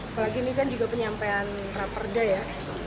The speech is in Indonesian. apalagi ini kan juga penyampaian raperda ya